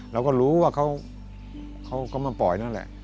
เราก็รู้ว่าเขาก็มาปล่อยนั่นแหละ